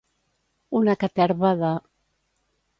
Una caterva de.